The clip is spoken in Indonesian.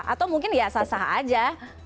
atau mungkin ya sah sah aja